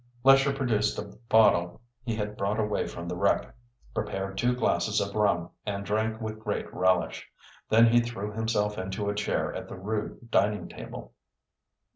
Lesher produced a bottle he had brought away from the wreck, prepared two glasses of rum, and drank with great relish. Then he threw himself into a chair at the rude dining table.